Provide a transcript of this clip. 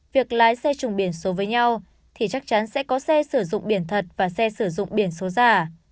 việc lái xe trùng biển số với nhau thì chắc chắn sẽ có xe sử dụng biển thật và xe sử dụng biển số giả